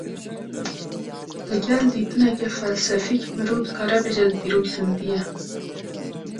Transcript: Li gel dîtineke felsefîk, mirov dikare bêje dîrok zîndî ye